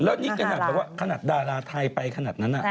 แล้วนี่ขนาดดาราไทยไปขนาดนั้นน่ะ